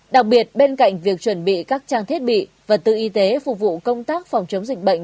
đặc biệt bên cạnh việc chuẩn bị các trang thiết bị vật tư y tế phục vụ công tác phòng chống dịch bệnh